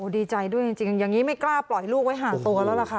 ดีใจด้วยจริงอย่างนี้ไม่กล้าปล่อยลูกไว้ห่างตัวแล้วล่ะค่ะ